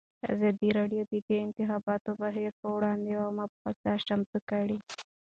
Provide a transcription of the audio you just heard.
ازادي راډیو د د انتخاباتو بهیر پر وړاندې یوه مباحثه چمتو کړې.